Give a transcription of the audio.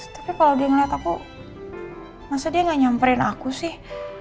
tapi kalau dia ngelihat aku masa dia gak nyamperin aku sih